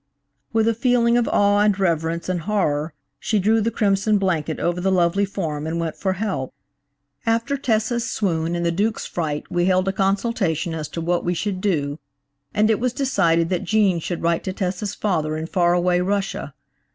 With a feeling of awe, and reverence, and horror, she drew the crimson blanket over the lovely form and went for help. "SOMETIMES THE BABY POSED AS A MODEL." After Tessa's swoon and the Duke's fright we held a consultation as to what we should do, and it was decided that Gene should write to Tessa's father in far away Russia.